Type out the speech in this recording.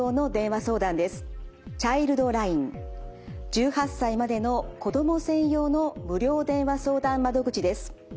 １８歳までの子ども専用の無料電話相談窓口です。